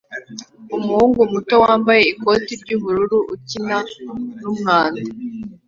umuhungu muto wambaye ikoti ry'ubururu ukina n'umwanda